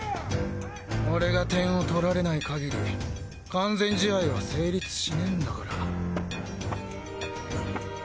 俺が点を取られない限り完全試合は成立しねえんだから。